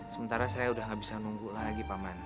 sementara saya sudah gak bisa nunggu lagi pak man